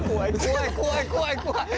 怖い怖い怖い怖い怖い。